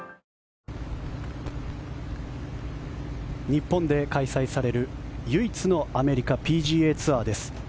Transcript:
日本で開催される、唯一のアメリカＰＧＡツアーです。